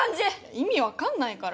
意味わかんないから。